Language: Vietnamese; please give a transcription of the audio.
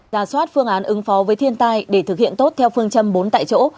ra soát phương án ứng phó với thiên tai để thực hiện tốt theo phương châm bốn tại chỗ